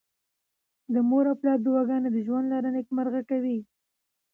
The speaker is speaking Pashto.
د مور او پلار دعاګانې د ژوند لاره نېکمرغه کوي.